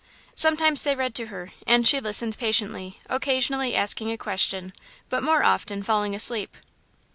Sometimes they read to her, and she listened patiently, occasionally asking a question, but more often falling asleep.